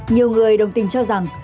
nhiều người đồng tình cho rằng